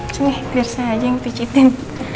cuma biar saya aja yang picitin